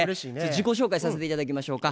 自己紹介させて頂きましょうか。